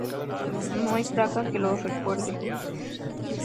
No hay placa que lo recuerde.